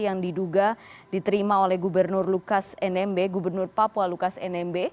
yang diduga diterima oleh gubernur lukas nmb gubernur papua lukas nmb